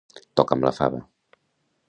Toca'm la fava!